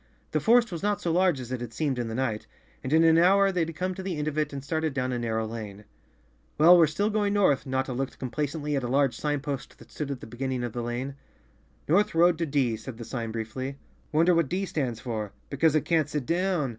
The forest was not so large as it had seemed in the night, and in an hour they had come to the end of it and started down a narrow lane. "Well, we're still going north." Notta looked com _ Chapter Five placently at a large sign post that stood at the begin¬ ning of the lane. "North Road to D," said the sign briefly. "Wonder what D stands for?" "Because it can't sit down."